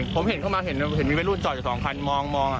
ผมเห็นเข้ามาเห็นมีวัยรุ่นจอดอยู่สองคันมอง